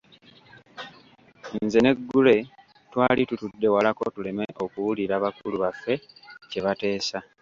Nze ne Gray twali tutudde walako tuleme okuwulira bakulu baffe kye bateesa.